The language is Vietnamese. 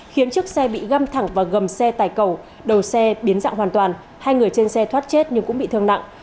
khiến chiếc xe bị găm thẳng vào gầm xe tải cầu đầu xe biến dạng hoàn toàn hai người trên xe thoát chết nhưng cũng bị thương nặng